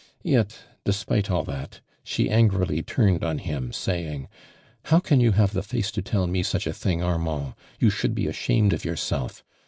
Yet despite all that, she angrily turned on him saying: "How can you have the face to tell me such a thing, Armand ? You should be ashamed of yourself.